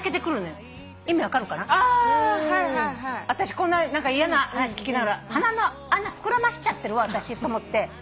私こんな嫌な話聞きながら鼻の穴膨らましちゃってるわ私と思って。